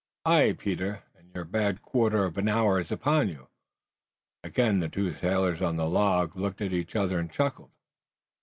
"Aye, Peter, and your bad quarter of an hour is upon you." Again the two sailors on the log looked at each other and chuckled.